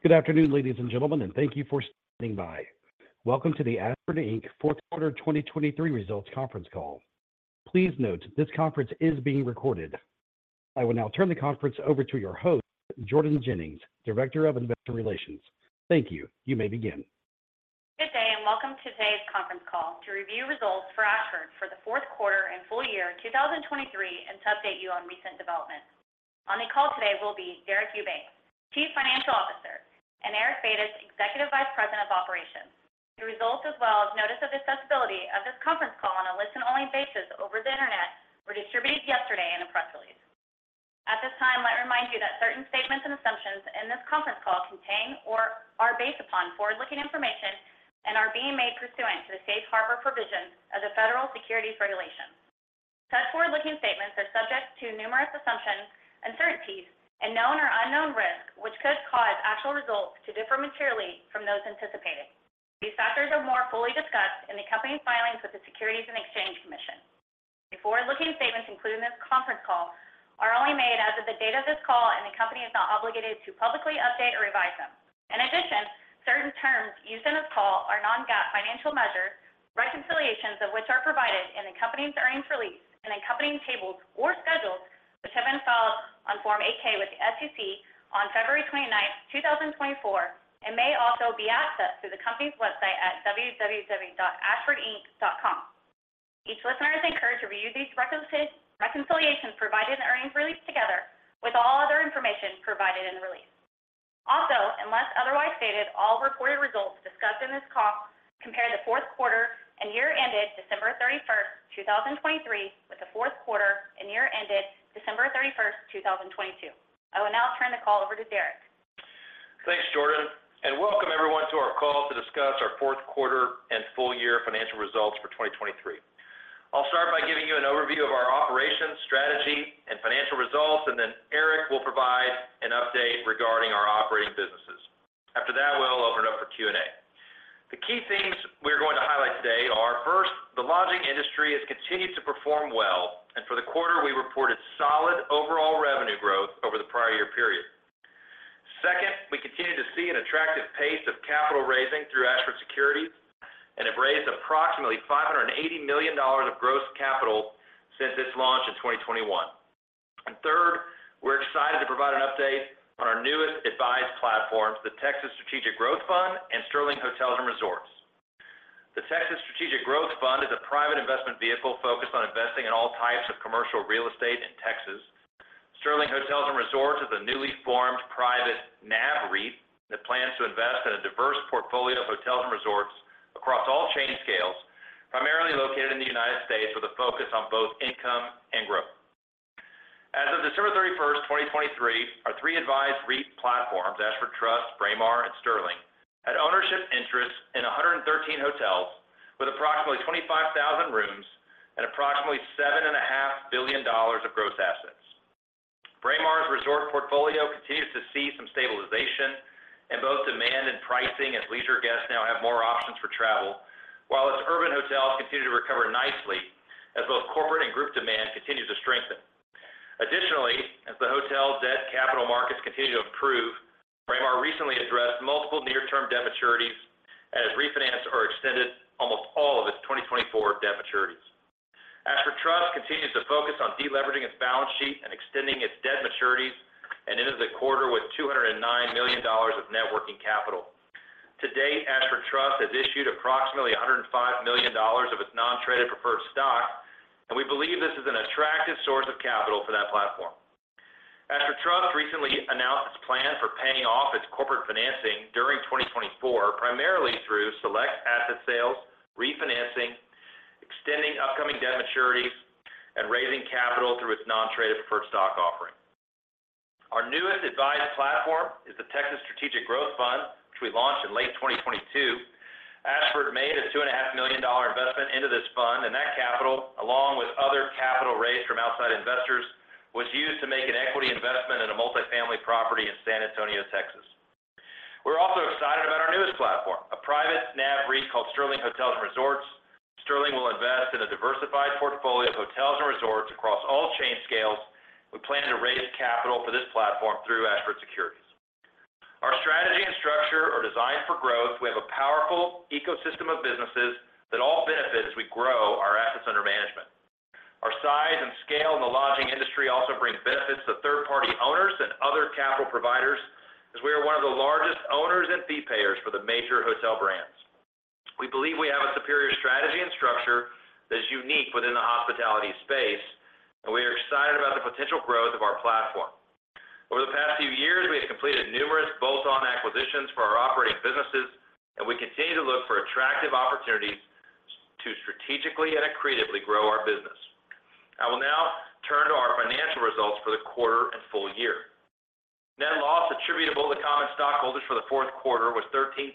Good afternoon, ladies and gentlemen, and thank you for standing by. Welcome to the Ashford Inc. fourth quarter 2023 results conference call. Please note this conference is being recorded. I will now turn the conference over to your host, Jordan Jennings, Director of Investor Relations. Thank you. You may begin. Good day and welcome to today's conference call to review results for Ashford for the fourth quarter and full year 2023 and to update you on recent developments. On the call today will be Deric Eubanks, Chief Financial Officer, and Eric Batis, Executive Vice President of Operations. The results, as well as notice of accessibility of this conference call on a listen-only basis over the internet, were distributed yesterday in a press release. At this time, let me remind you that certain statements and assumptions in this conference call contain or are based upon forward-looking information and are being made pursuant to the Safe Harbor provisions of the Federal Securities Regulation. Such forward-looking statements are subject to numerous assumptions and certainties and known or unknown risks which could cause actual results to differ materially from those anticipated. These factors are more fully discussed in the company's filings with the Securities and Exchange Commission. The forward-looking statements included in this conference call are only made as of the date of this call, and the company is not obligated to publicly update or revise them. In addition, certain terms used in this call are non-GAAP financial measures, reconciliations of which are provided in the company's earnings release and in company tables or schedules which have been filed on Form 8-K with the SEC on February 29, 2024, and may also be accessed through the company's website at www.ashfordinc.com. Each listener is encouraged to review these reconciliations provided in the earnings release together with all other information provided in the release. Also, unless otherwise stated, all reported results discussed in this call compare the fourth quarter and year ended December 31, 2023, with the fourth quarter and year ended December 31, 2022. I will now turn the call over to Deric. Thanks, Jordan, and welcome everyone to our call to discuss our fourth quarter and full year financial results for 2023. I'll start by giving you an overview of our operations, strategy, and financial results, and then Eric will provide an update regarding our operating businesses. After that, we'll open it up for Q&A. The key themes we're going to highlight today are, first, the lodging industry has continued to perform well, and for the quarter, we reported solid overall revenue growth over the prior year period. Second, we continue to see an attractive pace of capital raising through Ashford Securities, and it raised approximately $580 million of gross capital since its launch in 2021. And third, we're excited to provide an update on our newest advised platforms, the Texas Strategic Growth Fund and Sterling Hotels and Resorts. The Texas Strategic Growth Fund is a private investment vehicle focused on investing in all types of commercial real estate in Texas. Sterling Hotels and Resorts is a newly formed private NAV REIT that plans to invest in a diverse portfolio of hotels and resorts across all chain scales, primarily located in the United States, with a focus on both income and growth. As of December 31, 2023, our three advised REIT platforms, Ashford Trust, Braemar, and Sterling, had ownership interests in 113 hotels with approximately 25,000 rooms and approximately $7.5 billion of gross assets. Braemar's resort portfolio continues to see some stabilization in both demand and pricing, as leisure guests now have more options for travel, while its urban hotels continue to recover nicely as both corporate and group demand continues to strengthen. Additionally, as the hotel debt capital markets continue to improve, Braemar recently addressed multiple near-term debt maturities and has refinanced or extended almost all of its 2024 debt maturities. Ashford Trust continues to focus on deleveraging its balance sheet and extending its debt maturities and ended the quarter with $209 million of net working capital. To date, Ashford Trust has issued approximately $105 million of its non-traded preferred stock, and we believe this is an attractive source of capital for that platform. Ashford Trust recently announced its plan for paying off its corporate financing during 2024, primarily through select asset sales, refinancing, extending upcoming debt maturities, and raising capital through its non-traded preferred stock offering. Our newest advised platform is the Texas Strategic Growth Fund, which we launched in late 2022. Ashford made a $2.5 million investment into this fund, and that capital, along with other capital raised from outside investors, was used to make an equity investment in a multifamily property in San Antonio, Texas. We're also excited about our newest platform, a private NAV REIT called Sterling Hotels & Resorts. Sterling will invest in a diversified portfolio of hotels and resorts across all chain scales. We plan to raise capital for this platform through Ashford Securities. Our strategy and structure are designed for growth. We have a powerful ecosystem of businesses that all benefit as we grow our assets under management. Our size and scale in the lodging industry also bring benefits to third-party owners and other capital providers, as we are one of the largest owners and fee payers for the major hotel brands. We believe we have a superior strategy and structure that is unique within the hospitality space, and we are excited about the potential growth of our platform. Over the past few years, we have completed numerous bolt-on acquisitions for our operating businesses, and we continue to look for attractive opportunities to strategically and accretively grow our business. I will now turn to our financial results for the quarter and full year. Net loss attributable to common stockholders for the fourth quarter was $13.6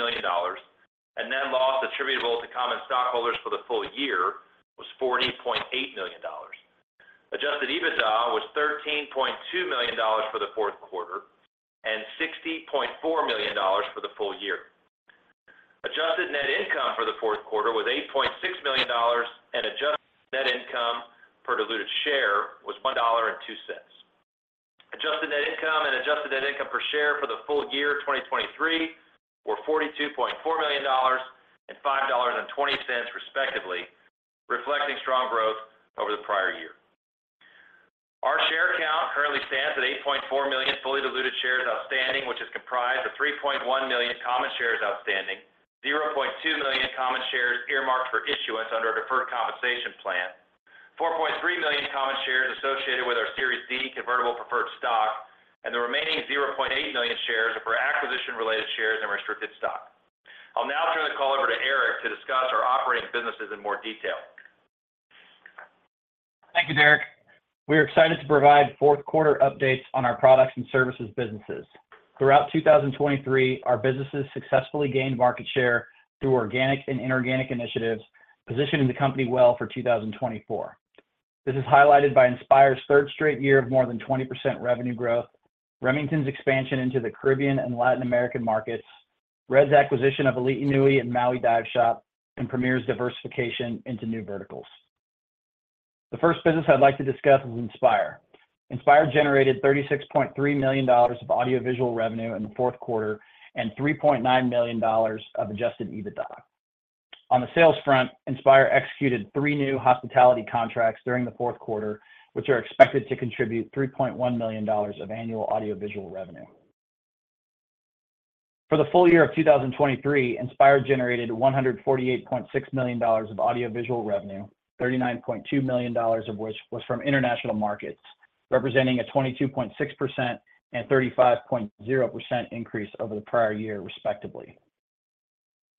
million, and net loss attributable to common stockholders for the full year was $40.8 million. Adjusted EBITDA was $13.2 million for the fourth quarter and $60.4 million for the full year. Adjusted net income for the fourth quarter was $8.6 million, and adjusted net income per diluted share was $1.02. Adjusted net income and adjusted net income per share for the full year 2023 were $42.4 million and $5.20, respectively, reflecting strong growth over the prior year. Our share count currently stands at 8.4 million fully diluted shares outstanding, which is comprised of 3.1 million common shares outstanding, 0.2 million common shares earmarked for issuance under a deferred compensation plan, 4.3 million common shares associated with our Series D convertible preferred stock, and the remaining 0.8 million shares are for acquisition-related shares and restricted stock. I'll now turn the call over to Eric to discuss our operating businesses in more detail. Thank you, Deric. We are excited to provide fourth quarter updates on our products and services businesses. Throughout 2023, our businesses successfully gained market share through organic and inorganic initiatives, positioning the company well for 2024. This is highlighted by Inspire's third straight year of more than 20% revenue growth, Remington's expansion into the Caribbean and Latin American markets, RED's acquisition of Ali'i Nui and Maui Dive Shop, and Premier's diversification into new verticals. The first business I'd like to discuss is Inspire. Inspire generated $36.3 million of audiovisual revenue in the fourth quarter and $3.9 million of Adjusted EBITDA. On the sales front, Inspire executed three new hospitality contracts during the fourth quarter, which are expected to contribute $3.1 million of annual audiovisual revenue. For the full year of 2023, INSPIRE generated $148.6 million of audiovisual revenue, $39.2 million of which was from international markets, representing a 22.6% and 35.0% increase over the prior year, respectively.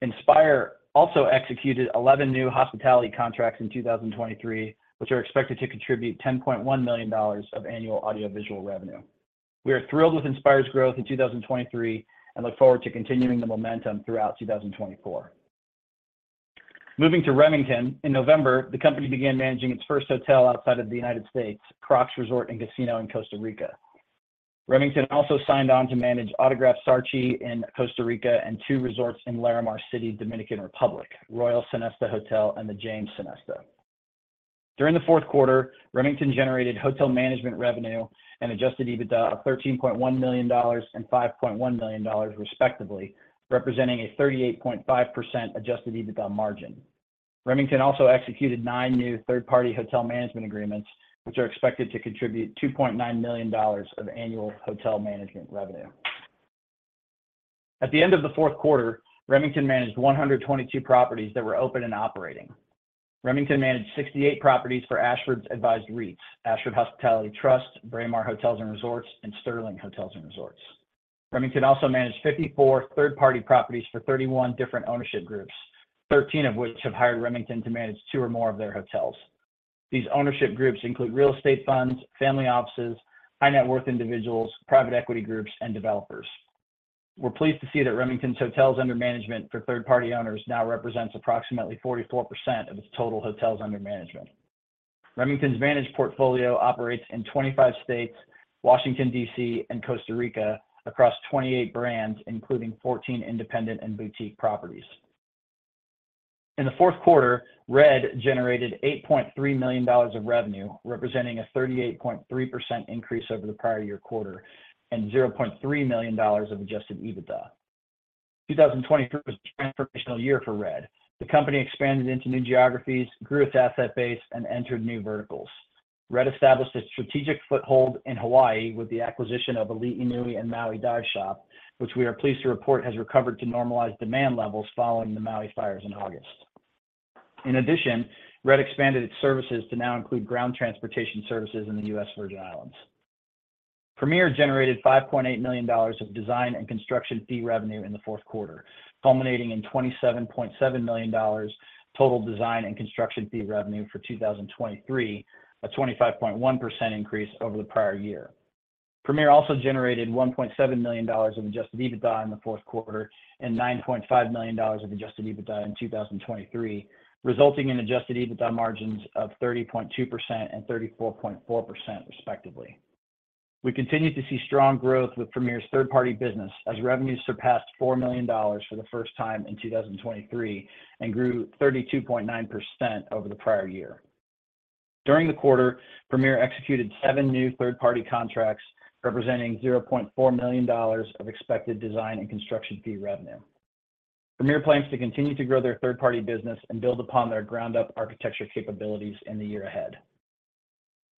INSPIRE also executed 11 new hospitality contracts in 2023, which are expected to contribute $10.1 million of annual audiovisual revenue. We are thrilled with INSPIRE's growth in 2023 and look forward to continuing the momentum throughout 2024. Moving to Remington, in November, the company began managing its first hotel outside of the United States, Croc's Resort & Casino in Costa Rica. Remington also signed on to manage Autograph Sarchi in Costa Rica and two resorts in Larimar City, Dominican Republic, Royal Sonesta Hotel and The James. During the fourth quarter, Remington generated hotel management revenue and adjusted EBITDA of $13.1 million and $5.1 million, respectively, representing a 38.5% adjusted EBITDA margin. Remington also executed 9 new third-party hotel management agreements, which are expected to contribute $2.9 million of annual hotel management revenue. At the end of the fourth quarter, Remington managed 122 properties that were open and operating. Remington managed 68 properties for Ashford's advised REITs, Ashford Hospitality Trust, Braemar Hotels & Resorts, and Sterling Hotels & Resorts. Remington also managed 54 third-party properties for 31 different ownership groups, 13 of which have hired Remington to manage 2 or more of their hotels. These ownership groups include real estate funds, family offices, high-net-worth individuals, private equity groups, and developers. We're pleased to see that Remington's hotels under management for third-party owners now represents approximately 44% of its total hotels under management. Remington's managed portfolio operates in 25 states, Washington, D.C., and Costa Rica, across 28 brands, including 14 independent and boutique properties. In the fourth quarter, RED generated $8.3 million of revenue, representing a 38.3% increase over the prior year quarter and $0.3 million of adjusted EBITDA. 2023 was a transformational year for RED. The company expanded into new geographies, grew its asset base, and entered new verticals. RED established a strategic foothold in Hawaii with the acquisition of Ali'i Nui and Maui Dive Shop, which we are pleased to report has recovered to normalized demand levels following the Maui fires in August. In addition, RED expanded its services to now include ground transportation services in the U.S. Virgin Islands. Premier generated $5.8 million of design and construction fee revenue in the fourth quarter, culminating in $27.7 million total design and construction fee revenue for 2023, a 25.1% increase over the prior year. Premier also generated $1.7 million of adjusted EBITDA in the fourth quarter and $9.5 million of adjusted EBITDA in 2023, resulting in adjusted EBITDA margins of 30.2% and 34.4%, respectively. We continue to see strong growth with Premier's third-party business as revenues surpassed $4 million for the first time in 2023 and grew 32.9% over the prior year. During the quarter, Premier executed seven new third-party contracts, representing $0.4 million of expected design and construction fee revenue. Premier plans to continue to grow their third-party business and build upon their ground-up architecture capabilities in the year ahead.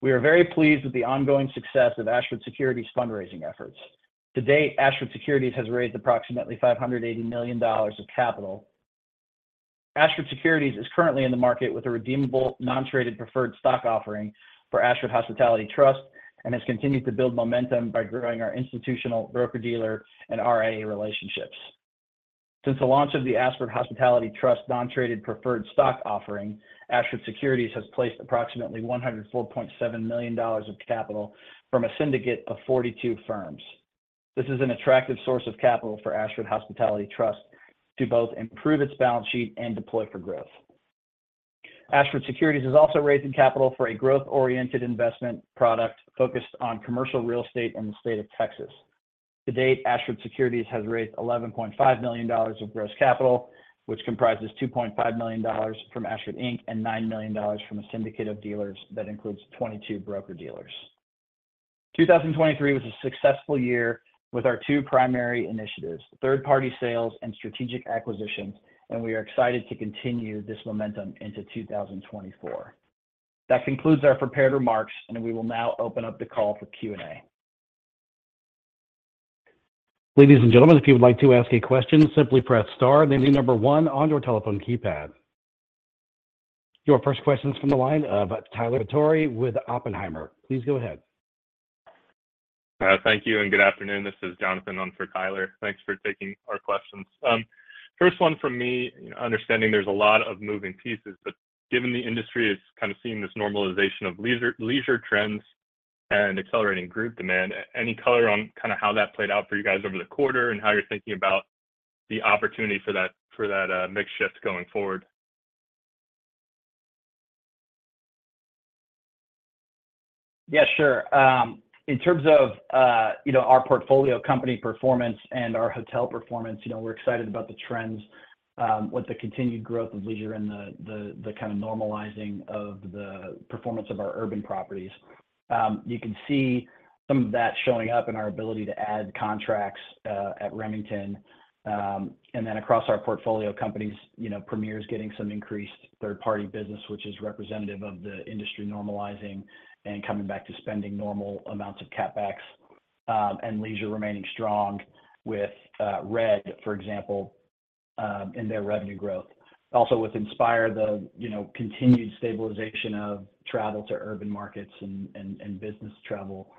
We are very pleased with the ongoing success of Ashford Securities' fundraising efforts. To date, Ashford Securities has raised approximately $580 million of capital. Ashford Securities is currently in the market with a redeemable non-traded preferred stock offering for Ashford Hospitality Trust and has continued to build momentum by growing our institutional broker-dealer and RIA relationships. Since the launch of the Ashford Hospitality Trust non-traded preferred stock offering, Ashford Securities has placed approximately $104.7 million of capital from a syndicate of 42 firms. This is an attractive source of capital for Ashford Hospitality Trust to both improve its balance sheet and deploy for growth. Ashford Securities has also raised capital for a growth-oriented investment product focused on commercial real estate in the state of Texas. To date, Ashford Securities has raised $11.5 million of gross capital, which comprises $2.5 million from Ashford Inc. and $9 million from a syndicate of dealers that includes 22 broker-dealers. 2023 was a successful year with our two primary initiatives, third-party sales and strategic acquisitions, and we are excited to continue this momentum into 2024. That concludes our prepared remarks, and we will now open up the call for Q&A. Ladies and gentlemen, if you would like to ask a question, simply press star, then the number one on your telephone keypad. Your first question is from the line of Tyler Batory with Oppenheimer. Please go ahead. Thank you and good afternoon. This is Jonathan Ahn for Tyler. Thanks for taking our questions. First one from me, understanding there's a lot of moving pieces, but given the industry is kind of seeing this normalization of leisure trends and accelerating group demand, any color on kind of how that played out for you guys over the quarter and how you're thinking about the opportunity for that mixed shift going forward? Yeah, sure. In terms of our portfolio company performance and our hotel performance, we're excited about the trends with the continued growth of leisure and the kind of normalizing of the performance of our urban properties. You can see some of that showing up in our ability to add contracts at Remington. And then across our portfolio companies, Premier is getting some increased third-party business, which is representative of the industry normalizing and coming back to spending normal amounts of CapEx and leisure remaining strong with RED, for example, in their revenue growth. Also with Inspire, the continued stabilization of travel to urban markets and business travel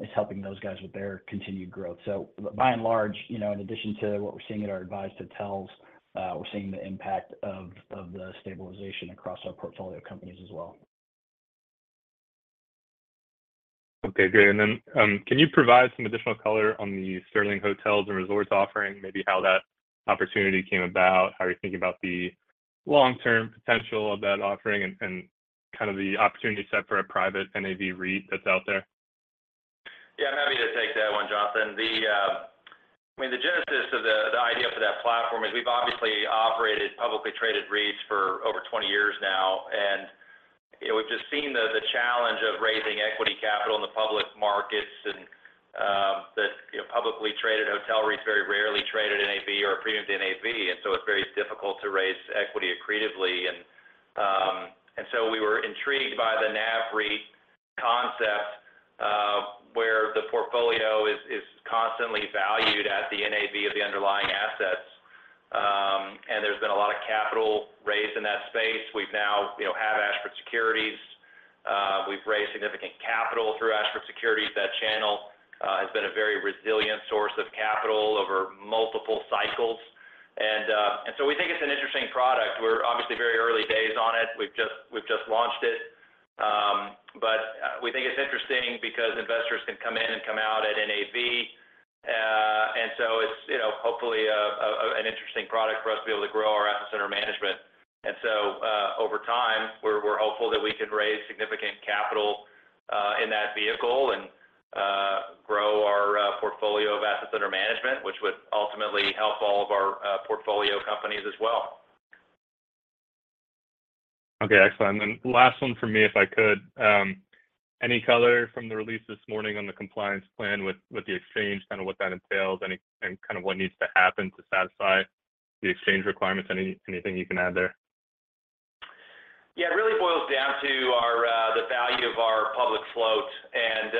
is helping those guys with their continued growth. So by and large, in addition to what we're seeing at our advised hotels, we're seeing the impact of the stabilization across our portfolio companies as well. Okay, great. And then can you provide some additional color on the Sterling Hotels & Resorts offering, maybe how that opportunity came about, how you're thinking about the long-term potential of that offering and kind of the opportunity set for a private NAV REIT that's out there? Yeah, I'm happy to take that one, Jonathan. I mean, the genesis of the idea for that platform is we've obviously operated publicly traded REITs for over 20 years now, and we've just seen the challenge of raising equity capital in the public markets and that publicly traded hotel REITs very rarely trade at NAV or are premium to NAV. And so it's very difficult to raise equity accretively. And so we were intrigued by the NAV REIT concept where the portfolio is constantly valued at the NAV of the underlying assets, and there's been a lot of capital raised in that space. We now have Ashford Securities. We've raised significant capital through Ashford Securities. That channel has been a very resilient source of capital over multiple cycles. And so we think it's an interesting product. We're obviously very early days on it. We've just launched it. But we think it's interesting because investors can come in and come out at NAV. And so it's hopefully an interesting product for us to be able to grow our assets under management. And so over time, we're hopeful that we can raise significant capital in that vehicle and grow our portfolio of assets under management, which would ultimately help all of our portfolio companies as well. Okay, excellent. And then last one from me, if I could. Any color from the release this morning on the compliance plan with the exchange, kind of what that entails, and kind of what needs to happen to satisfy the exchange requirements? Anything you can add there? Yeah, it really boils down to the value of our public float. And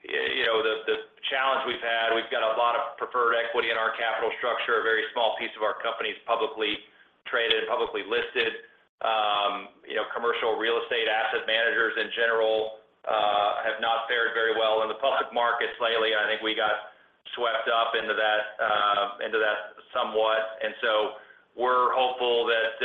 the challenge we've had, we've got a lot of preferred equity in our capital structure, a very small piece of our company is publicly traded and publicly listed. Commercial real estate asset managers in general have not fared very well in the public markets lately. I think we got swept up into that somewhat. And so we're hopeful that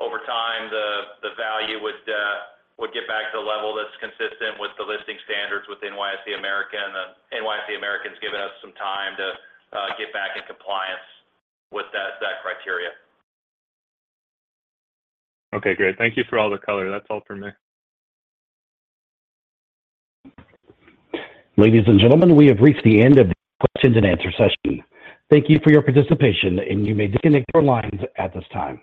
over time, the value would get back to the level that's consistent with the listing standards with NYSE American. And NYSE American has given us some time to get back in compliance with that criteria. Okay, great. Thank you for all the color. That's all from me. Ladies and gentlemen, we have reached the end of the questions and answers session. Thank you for your participation, and you may disconnect your lines at this time.